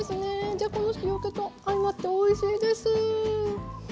じゃこの塩気と相まっておいしいです！